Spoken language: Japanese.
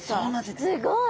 すごい。